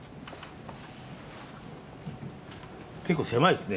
結構狭いですね